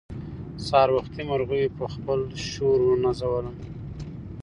سهار وختي مرغيو په خپل شور ونازولم.